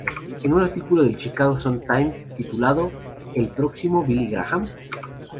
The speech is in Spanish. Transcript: En un artículo del Chicago Sun Times titulado "¿El próximo Billy Graham?